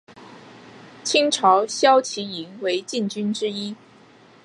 清朝骁骑营为禁军之一。